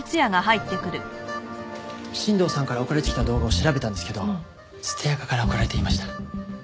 新藤さんから送られてきた動画を調べたんですけど捨てアカから送られていました。